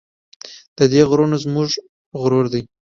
د دې غرونه زموږ غرور دی